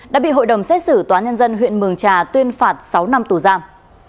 đã bị hội đồng xét xử tòa nhân dân huyện mường trà tuyên phạt sáu năm tù giam